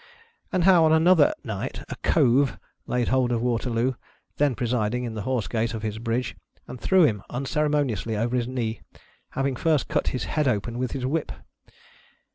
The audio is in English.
Also how, on another night, " a Cove " laid hold of Waterloo, then presiding at the horse gate of iiis bridge, and threw him unceremoniously over his knee, having first cut his head open with his whip.